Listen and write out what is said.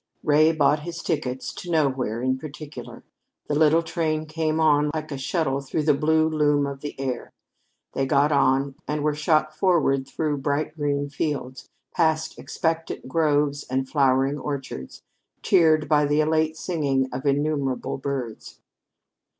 Ray bought his tickets to nowhere in particular. The little train came on like a shuttle through the blue loom of the air; they got on, and were shot forward through bright green fields, past expectant groves and flowering orchards, cheered by the elate singing of innumerable birds.